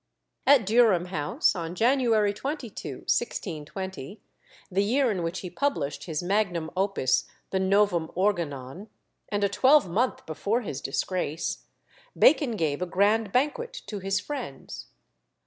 At Durham House, on January 22, 1620, the year in which he published his magnum opus, the Novum Organon, and a twelvemonth before his disgrace, Bacon gave a grand banquet to his friends.